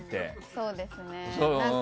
そうですね。